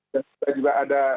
dan juga ada